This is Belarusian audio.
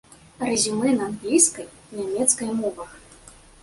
Рэзюмэ на англійскай, нямецкай мовах.